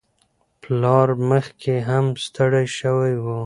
پلار مخکې هم ستړی شوی و.